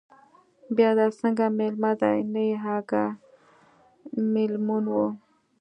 بیا دا څنگه مېلمه دے، نه يې اگاه، مېلمون مه